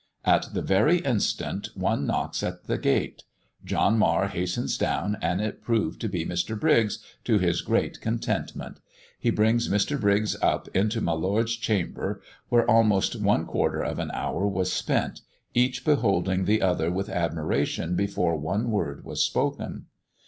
At the very instant, one knocks at the gate; John Marr hastens down, and it proved to be Mr. Briggs, to his great contentment; he brings Mr. Briggs up into my Lord's chamber, where almost one quarter of an hour was spent, each beholding the other with admiration before one word was spoken.